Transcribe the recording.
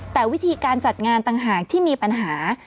แต่วิธีการจัดงานต่างหากที่มีปัญหา